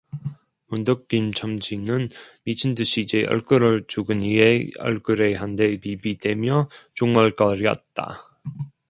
문득 김첨지는 미친 듯이 제 얼굴을 죽은 이의 얼굴에 한데 비비대며 중얼거렸다.